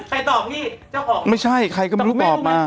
ใครตอบนี่เจ้าออกมา